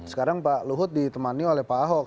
sekarang pak luhut ditemani oleh pak ahok